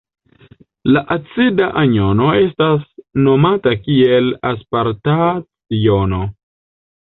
La acida anjono estas nomata kiel aspartat-jono.